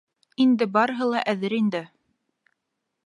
Инде барыһы ла әҙер ине.